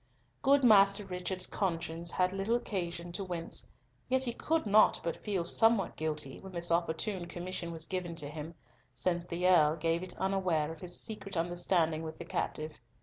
Good Master Richard's conscience had little occasion to wince, yet he could not but feel somewhat guilty when this opportune commission was given to him, since the Earl gave it unaware of his secret understanding with the captive.